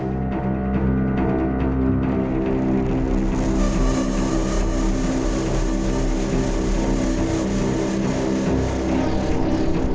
mbah kamu bisa menang